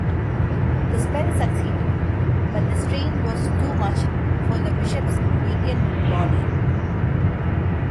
The spell succeeded, but the strain was too much for the Bishop's weakened body.